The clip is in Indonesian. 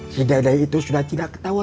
si dede itu sudah tidak ketahuan